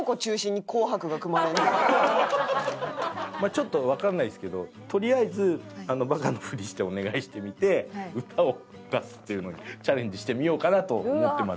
ちょっとわかんないですけどとりあえずバカなふりしてお願いしてみて歌を出すっていうのにチャレンジしてみようかなと思ってます。